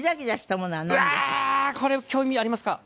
これ興味ありますか？